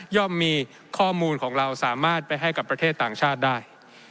่อมมีข้อมูลของเราสามารถไปให้กับประเทศต่างชาติได้